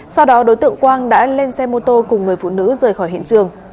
sau đó đối tượng quang đã lên xe mô tô cùng người phụ nữ rời khỏi hiện trường